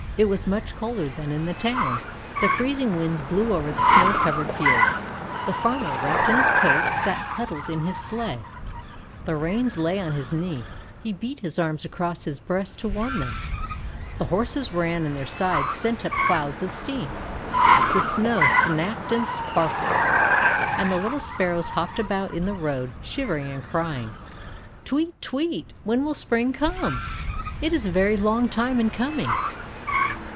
It was much colder than in the town. The freezing Winds blew over the snow covered fields. The farmer, wrapped in his coat, sat huddled in his sleigh. The reins lay on his knee. He beat his arms across his breast to warm them. The horses ran and their sides sent up clouds of steam. The Snow snapped and sparkled. And the little Sparrows hopped about in the road, shivering and crying. "Tweet! Tweet! When will Spring come? It is a very long time in coming!'